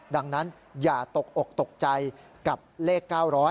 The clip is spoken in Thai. ดังนั้นอย่าตกอกตกใจกับเลข๙๐๐